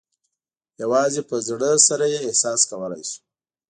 یوازې په زړه سره یې احساس کولای شو.